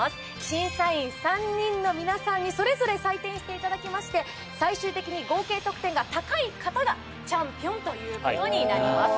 審査員３人の皆さんにそれぞれ採点していただきまして最終的に合計得点が高い方がチャンピオンということになります。